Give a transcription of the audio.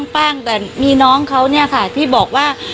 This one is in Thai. แป้งแต่มีน้องเขาเนี่ยค่ะที่บอกว่า